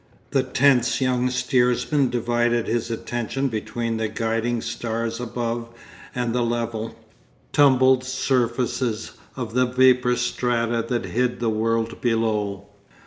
The tense young steersman divided his attention between the guiding stars above and the level, tumbled surfaces of the vapour strata that hid the world below.